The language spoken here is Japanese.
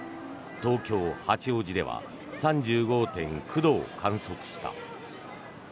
東京・八王子では３５．９度を観測した。